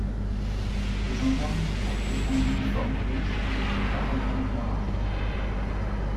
Les gendarmes portaient un uniforme rouge avec des parements noirs.